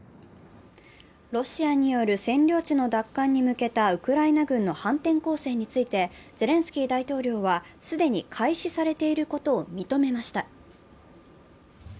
ロシアによる占領地の奪還に向けたウクライナ軍の反転攻勢についてゼレンスキー大統領は既に開始されていることを認めました。